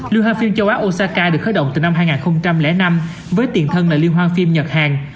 liêu hoang phim châu á osaka được khởi động từ năm hai nghìn năm với tiền thân là liêu hoang phim nhật hàn